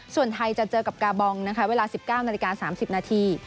ส่วนไทยจะเจอกับกาบองนะคะเวลา๑๙นาฬิกา๓๐นาที